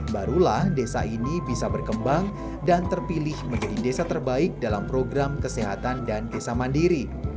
barulah desa ini bisa berkembang dan terpilih menjadi desa terbaik dalam program kesehatan dan desa mandiri